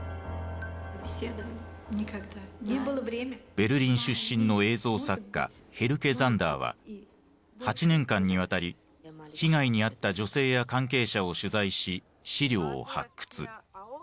ベルリン出身の映像作家ヘルケ・ザンダーは８年間にわたり被害に遭った女性や関係者を取材し資料を発掘。